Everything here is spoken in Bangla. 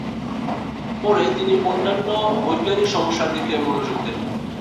পরে, তিনি অন্যান্য বৈজ্ঞানিক সমস্যার দিকে মনোযোগ দেন।